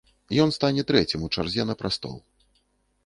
Ён стане трэцім у чарзе на прастол.